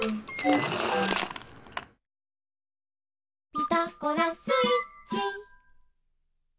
「ピタゴラスイッチ」